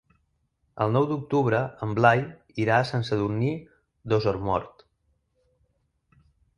El nou d'octubre en Blai irà a Sant Sadurní d'Osormort.